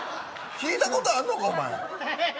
聞いたことあるのか、おまえら。